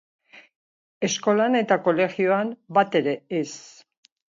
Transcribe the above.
Eskolan eta kolegioan batere ez.